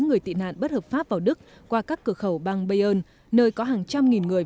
người tị nạn bất hợp pháp vào đức qua các cửa khẩu bang bayern nơi có hàng trăm nghìn người